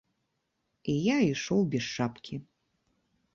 І я ішоў без шапкі.